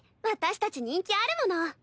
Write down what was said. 私たち人気あるもの。